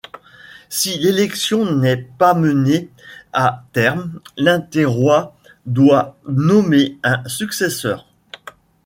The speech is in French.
Si l'élection n'est pas menée à terme, l'interroi doit nommer un successeur.